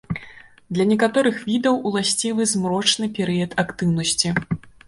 Для некаторых відаў уласцівы змрочны перыяд актыўнасці.